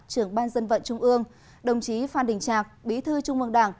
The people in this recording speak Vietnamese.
trưởng ban dân vận trung ương đồng chí phan đình trạc bí thư trung mương đảng